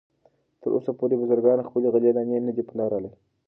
تراوسه پورې بزګرانو خپلې غلې دانې نه دي پلورلې.